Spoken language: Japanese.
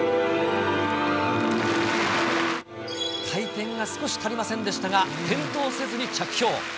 回転が少し足りませんでしたが、転倒せずに着氷。